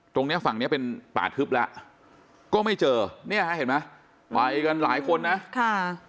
ตรงนี้ฝั่งนี้เป็นป่าทึบละก็ไม่เจอนี่เห็นไหมไหวกันหลายคนนะ